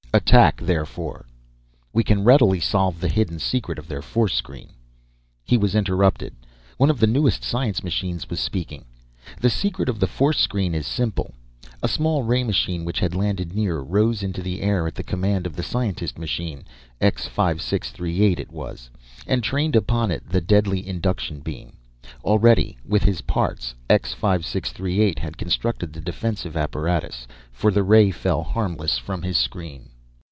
"Attack therefore!" "We can readily solve the hidden secret of their force screen." He was interrupted. One of the newest science machines was speaking. "The secret of the force screen is simple." A small ray machine, which had landed near, rose into the air at the command of the scientist machine, X 5638 it was, and trained upon it the deadly induction beam. Already, with his parts, X 5638 had constructed the defensive apparatus, for the ray fell harmless from his screen.